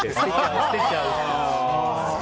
捨てちゃう。